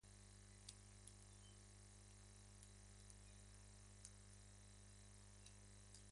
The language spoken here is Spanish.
Urquiza asumió organizar por su cuenta la instalación de la nueva colonia.